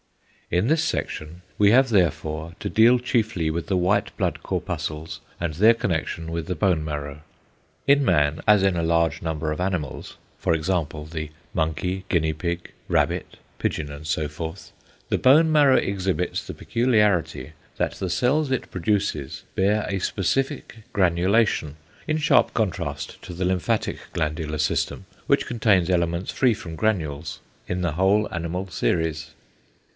In this section we have therefore to deal chiefly with the white blood corpuscles and their connection with the bone marrow. In man as in a large number of animals (for example the monkey, guinea pig, rabbit, pigeon and so forth) =the bone marrow exhibits the peculiarity that the cells it produces bear a specific granulation, in sharp contrast to the lymphatic glandular system, which contains elements free from granules, in the whole animal series=.